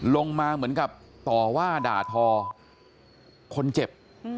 ลงมาเหมือนกับต่อว่าด่าทอคนเจ็บ